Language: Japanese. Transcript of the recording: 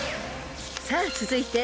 ［さあ続いて］